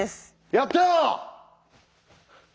やった！